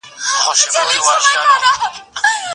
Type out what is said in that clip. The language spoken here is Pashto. د غاښ درد پر مهال نرم خواړه ورکړئ.